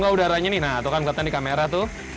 gula udaranya nih nah tuh kan katanya di kamera tuh